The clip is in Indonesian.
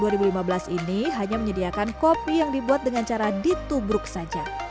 maka mereka juga membuat kopi yang dibuat dengan cara ditubruk saja